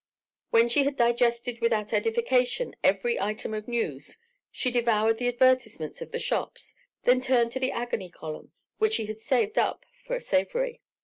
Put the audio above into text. When she had digested without edification every item of news, she devoured the advertisements of the shops, then turned to the Agony Column, which she had saved up for a savoury.